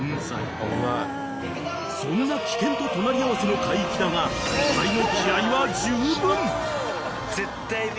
［そんな危険と隣り合わせの海域だが２人の］